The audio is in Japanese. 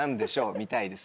見たいです